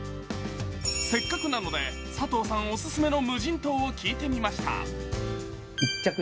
せっかくなので佐藤さんオススメの無人島を聞いてみました。